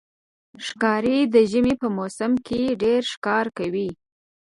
ښکاري د ژمي په موسم کې ډېر ښکار کوي.